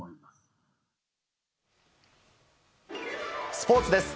スポーツです。